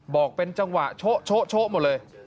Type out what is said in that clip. บอกเป็นจังหวะโช๊ะโช๊ะโช๊ะหมดเลย